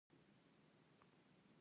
دا ودانۍ دوه پوړه لري په پښتو ژبه.